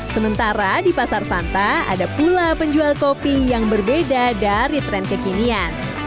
sementara di pasar santa ada pula penjual kopi yang berbeda dari tren kekinian